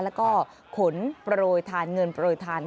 แล้วก็ขนประโรยทานเงินประโรยทาน